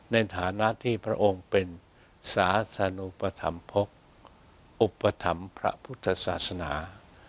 ในฐานะที่พระองค์เป็นศาสนุปธรรมภกอุปถัมภ์พระพุทธศาสนา